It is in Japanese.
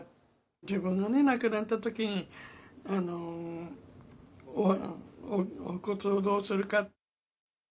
自分がね、亡くなったときにお骨をどうするか。